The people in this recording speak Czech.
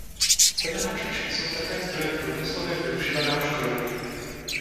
Semena čočky jsou také zdrojem průmyslově využívaného škrobu.